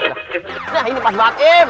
nah ini pas banget